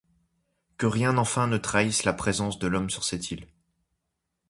Que rien enfin ne trahisse la présence de l’homme sur cette île